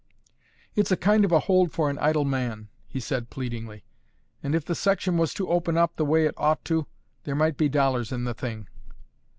"It's a kind of a hold for an idle man," he said, pleadingly; "and if the section was to open up the way it ought to, there might be dollars in the thing."